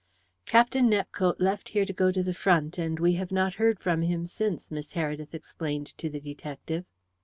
"Captain Nepcote left here to go to the front, and we have not heard from him since," Miss Heredith explained to the detective.